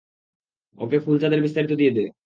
ওকে ফুলচাঁদের বিস্তারিত দিয়ে দে।